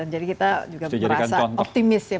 jadi kita merasa optimis ya